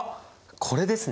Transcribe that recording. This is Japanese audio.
これですね！